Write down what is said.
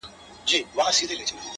د بېوفا لفظونه راوړل ـ